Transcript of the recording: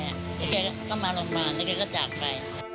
แล้วเจอก็มาโรงพยาบาลแล้วเจอก็จับไป